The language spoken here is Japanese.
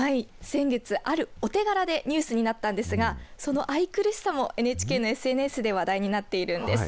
先月、あるお手柄でニュースになったんですがその愛くるしさもＮＨＫのＳＮＳで話題になっているんです。